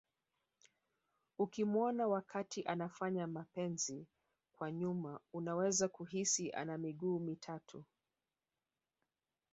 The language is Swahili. Ukimuona wakati anafanya mapenzi kwa nyuma unaweza kuhisi ana miguu mitatu